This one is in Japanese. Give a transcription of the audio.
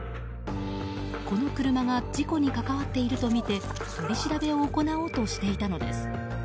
この車が事故に関わっているとみて取り調べを行おうとしていたんです。